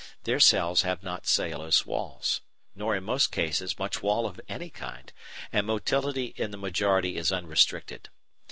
Their cells have not cellulose walls, nor in most cases much wall of any kind, and motility in the majority is unrestricted.